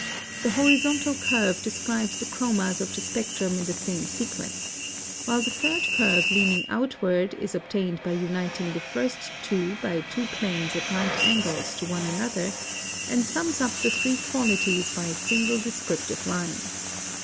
The horizontal curve describes the chromas of the spectrum in the same sequence; while the third curve leaning outward is obtained by uniting the first two by two planes at right angles to one another, and sums up the three qualities by a single descriptive line.